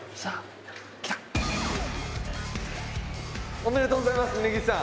おめでとうございます峯岸さん。